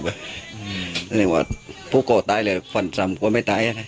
ภูโคมีเสียงเวิร์ทตายเท่าไหร่ฟันจำกว่าไม่ตาย